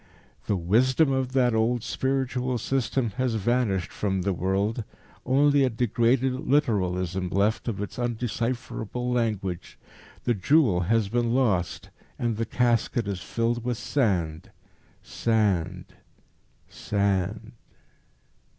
The Wisdom of that old spiritual system has vanished from the world, only a degraded literalism left of its undecipherable language. The jewel has been lost, and the casket is filled with sand, sand, sand."